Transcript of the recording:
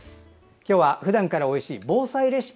今日はふだんからおいしい防災レシピ。